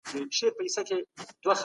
هر انسان د حقونو تر څنګ مسؤلیتونه هم لري.